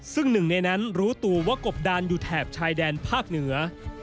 ซึ่งหนึ่งในนั้นรู้ตัวว่ากบดานอยู่แถบชายแดนภาคเหนือ